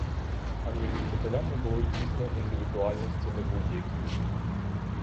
А між учителями були дійсно індивідуальності не будь-які.